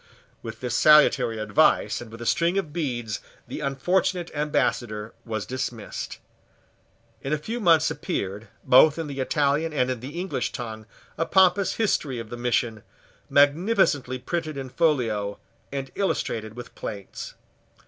With this salutary advice and with a string of beads, the unfortunate Ambassador was dismissed. In a few months appeared, both in the Italian and in the English tongue, a pompous history of the mission, magnificently printed in folio, and illustrated with plates.